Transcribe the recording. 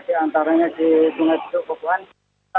di antaranya di gunung gunung kebuan